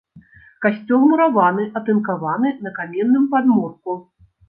Касцёл мураваны, атынкаваны, на каменным падмурку.